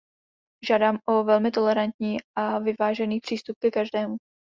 Žádám o velmi tolerantní a vyvážený přístup ke každému.